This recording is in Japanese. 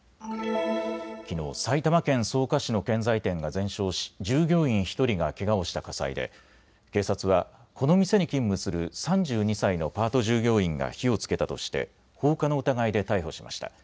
きのう埼玉県草加市の建材店が全焼し従業員１人がけがをした火災で、警察はこの店に勤務する３２歳のパート従業員が火をつけたとして放火の疑いで逮捕しました。